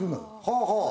はあはあ。